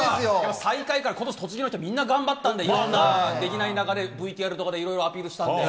最下位からことし栃木の人みんな頑張ったんで、いろんなできない中で、ＶＴＲとかでいろいろアピールしたんで。